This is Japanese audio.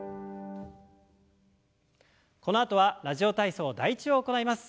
このあとは「ラジオ体操第１」を行います。